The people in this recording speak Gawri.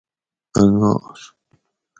انگار